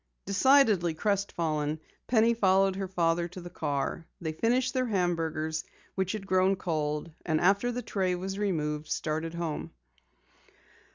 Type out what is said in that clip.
Decidedly crestfallen, Penny followed her father to the car. They finished their hamburgers, which had grown cold, and after the tray was removed, started home.